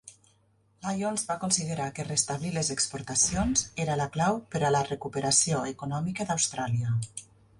Lyons va considerar que restablir les exportacions era la clau per a la recuperació econòmica d'Austràlia.